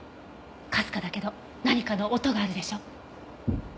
かすかだけど何かの音があるでしょ。